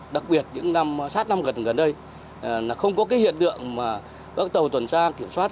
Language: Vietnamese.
đặc biệt những sát năm gần đây không có hiện tượng mà các tàu tuyển tra kiểm soát